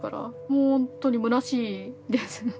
もうほんとにむなしいですね。